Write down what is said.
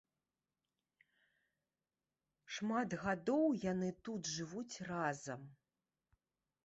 Шмат гадоў яны тут жывуць разам.